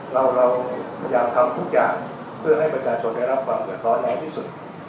เราพยายามทำทุกอย่างเพื่อให้ประเศษนมัยรับความเหนือความแย่ซึ่ง